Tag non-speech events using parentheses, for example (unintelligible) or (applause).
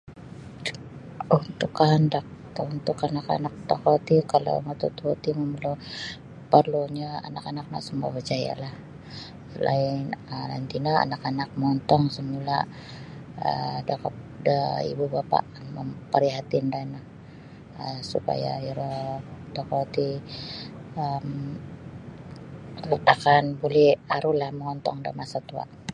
Untuk kahandak da untuk anak-anak tokou ti kalau matutuo ti (unintelligible) perlunyo anak -anak no semua berjayalah. Selain um tino anak-anak mongontong semula um da kap da ibu bapa prihatin da anak um supaya iro tokou ti um lupakan buli arulah mongontong da masa tua.